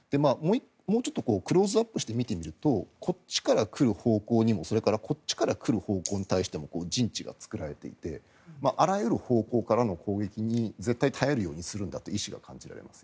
もうちょっとクローズアップして見てみるとこっちからくる方向にもそれからこっちから来る方向に対しても陣地が作られていてあらゆる方向からの攻撃に絶対耐えるようにするんだという意思を感じます。